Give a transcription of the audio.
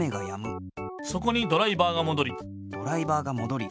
そこにドライバーがもどり。